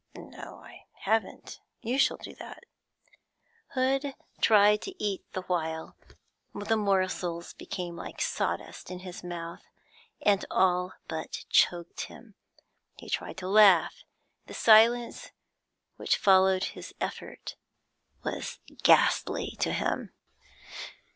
'No, I haven't. You shall do that.' Hood tried to eat the while; the morsels became like sawdust in his mouth, and all but choked him. He tried to laugh; the silence which followed his effort was ghastly to him.